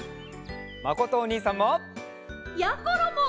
まことおにいさんも！やころも！